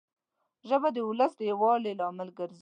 ژبه د ولس د یووالي لامل ده